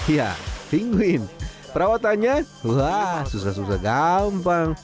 ya pingguin perawatannya wah susah susah gampang